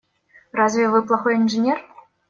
Разве вы плохой инженер?